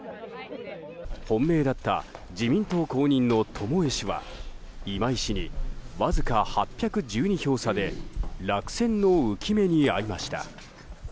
本命だった自民党公認の友江氏は今井氏に、わずか８１２票差で落選の憂き目にあいました。